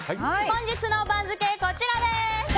本日の番付こちらです。